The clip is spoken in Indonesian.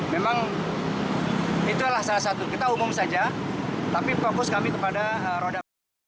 memang itulah salah satu kita umum saja tapi fokus kami kepada roda